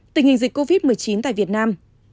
tình hình dịch covid một mươi chín tại việt nam